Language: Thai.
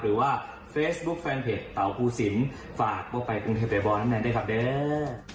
หรือว่าเฟสบุ๊คแฟนเพจเต๋าภูสินฝากบ้อไปกรุงเทพใดบอร์นั้นได้ครับด้วย